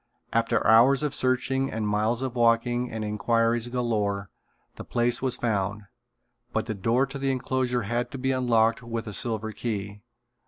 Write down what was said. After hours of searching and miles of walking and inquiries galore, the place was found, but the door to the enclosure had to be unlocked with a silver key.